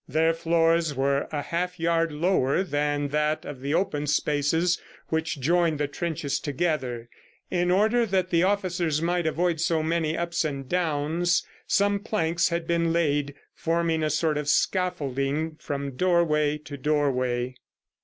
Their floors were a half yard lower than that of the open spaces which joined the trenches together. In order that the officers might avoid so many ups and downs, some planks had been laid, forming a sort of scaffolding from doorway to doorway.